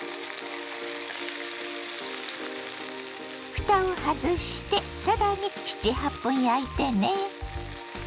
ふたを外してさらに７８分焼いてね。